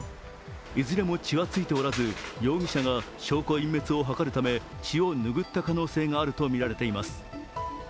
いずれも血はついておらず容疑者が証拠隠滅を図るため血を拭った可能性があるとみられています。